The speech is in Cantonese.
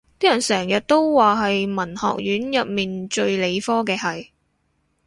啲人成日都話係文學院入面最理科嘅系